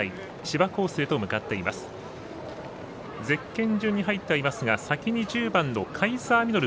ゼッケン順に入っていますが先に１０番のカイザーミノル